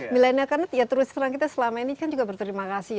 milenial terus terang kita selama ini kan juga berterima kasih